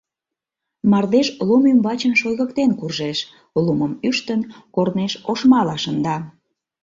Мардеж лум ӱмбачын шойгыктен куржеш, лумым ӱштын, корнеш ошмала шында.